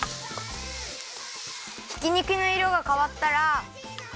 ひき肉のいろがかわったら。